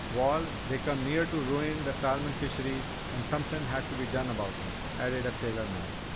"Wall, they come near to ruin' the salmon fisheries and somethin' had to be done about 'em," added a sailor man.